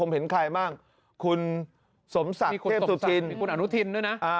เห็นใครบ้างคุณสมศักดิ์เทพสุธินคุณอนุทินด้วยนะ